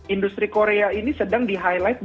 industri korea ini sedang di highlight